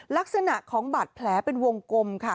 ลักษณะของบาดแผลเป็นวงกลมค่ะ